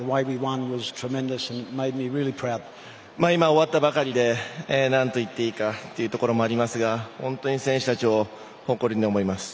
終わったばかりでなんといっていいかというところもありますが本当に選手たちを誇りに思います。